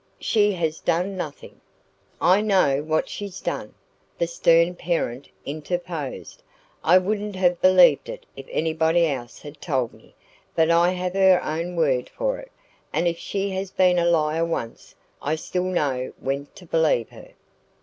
She has done nothing " "I know what she's done," the stern parent interposed. "I wouldn't have believed it if anybody else had told me; but I have her own word for it. And if she has been a liar once, I still know when to believe her."